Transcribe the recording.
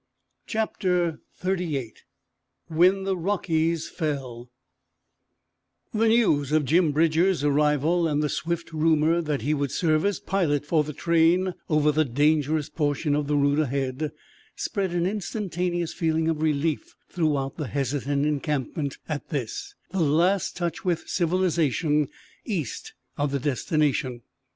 CHAPTER XXXVIII WHEN THE ROCKIES FELL The news of Jim Bridger's arrival, and the swift rumor that he would serve as pilot for the train over the dangerous portion of the route ahead, spread an instantaneous feeling of relief throughout the hesitant encampment at this, the last touch with civilization east of the destination.